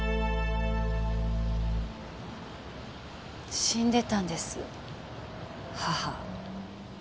死んでたんです母。